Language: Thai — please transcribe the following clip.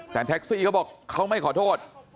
แต่แท็กซี่เขาบอกเขาไม่ขอโทษ